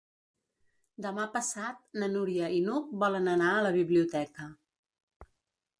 Demà passat na Núria i n'Hug volen anar a la biblioteca.